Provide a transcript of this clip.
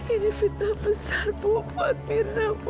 ini fitnah besar bu buat mirna bu